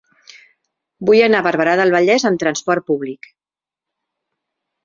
Vull anar a Barberà del Vallès amb trasport públic.